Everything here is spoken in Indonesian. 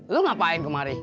lo ngapain kemari